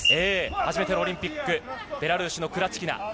初めてのオリンピックベラルーシのクラチキナ。